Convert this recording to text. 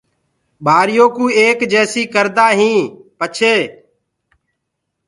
ٻآريو ڪو ايڪ جيسي ڪردآ هين پڇي